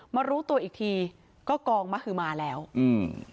มารู้ตัวอีกทีก็กองมหือมาแล้วอืม